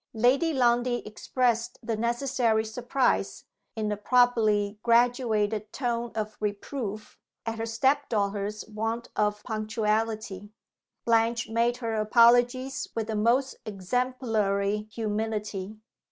Lady Lundie expressed the necessary surprise, in the properly graduated tone of reproof, at her step daughter's want of punctuality. Blanche made her apologies with the most exemplary humility.